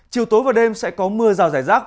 chiều tối và đêm sẽ có mưa rào rải rác